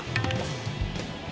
pertama buat olahraga